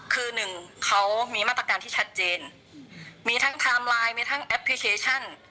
คือหนึ่งเขามีมาตรการที่ชัดเจนมีทั้งไทม์ไลน์มีทั้งแอปพลิเคชัน